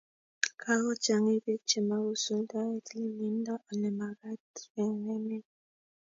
kakochangiit biik chemakosuldoe tililindo olemakaat eng emet